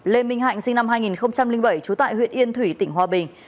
lê minh hạnh sinh năm hai nghìn bảy trú tại huyện yên thủy tỉnh hòa bình